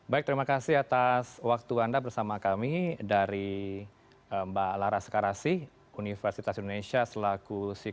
baik terima kasih atas waktu anda bersama kami dari mbak laraskarasi universitas indonesia selaku